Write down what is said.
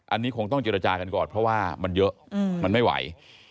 อันนี้คงต้องเจรจากันก่อนเพราะว่ามันเยอะมันไม่ไหว